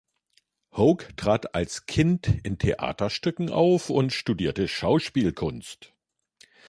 Hoag trat als Kind in Theaterstücken auf und studierte Schauspielkunst.